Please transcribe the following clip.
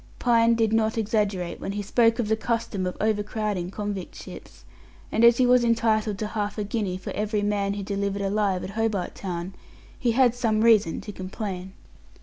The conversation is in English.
Pine did not exaggerate when he spoke of the custom of overcrowding convict ships; and as he was entitled to half a guinea for every man he delivered alive at Hobart Town, he had some reason to complain.